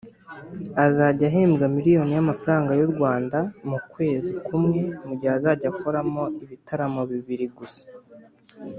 azajya ahembwa miliyoni y’amafaranga y’u Rwanda mu kwezi kumwe mu gihe azajya akoramo ibitaramo bibiri gusa